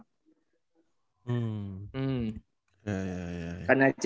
pergi satu kan terus ganti